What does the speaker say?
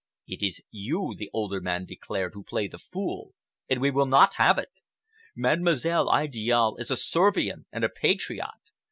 "It is you," the older man declared, "who play the fool, and we will not have it! Mademoiselle Idiale is a Servian and a patriot.